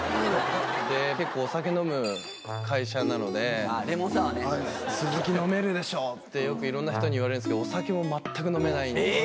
で結構お酒飲む会社なので。ってよくいろんな人に言われるんですけどお酒も全く飲めないんですよ。